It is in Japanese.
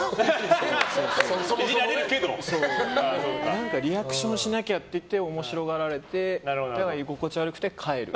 何かリアクションしなきゃと思って、面白がられてだから居心地悪くて、帰る。